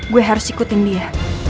gue harus ikutin dia